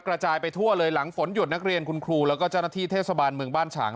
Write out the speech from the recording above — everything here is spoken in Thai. กระจายไปทั่วเลยหลังฝนหยุดนักเรียนคุณครูแล้วก็เจ้าหน้าที่เทศบาลเมืองบ้านฉาง